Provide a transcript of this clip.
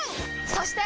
そして！